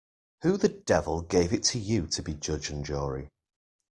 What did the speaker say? Who the devil gave it to you to be judge and jury.